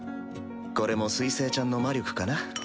これも水星ちゃんの魔力かな。